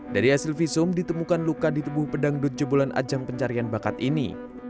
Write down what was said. dari asil visum ditemukan luka di tubuh pedang dut jebolan ajang pencarian bakat ini